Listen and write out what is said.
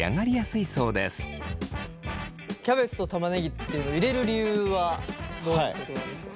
キャベツと玉ねぎっていうのを入れる理由はどういうことなんですか？